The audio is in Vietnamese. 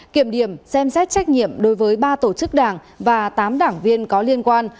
kiểm điểm xem xét trách nhiệm đối với ba tổ chức đảng và tám đảng viên có liên quan